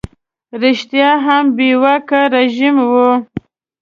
ریشتیا هم بې واکه رژیم وي.